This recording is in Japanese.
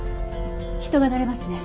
人が乗れますね。